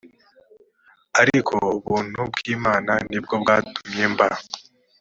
ariko ubuntu bw imana ni bwo bwatumye mba